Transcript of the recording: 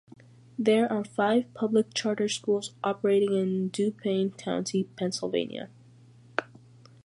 There are five public charter schools operating in Dauphin County, Pennsylvania.